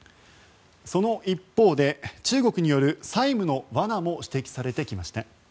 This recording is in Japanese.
その一方で中国による債務の罠も指摘されてきました。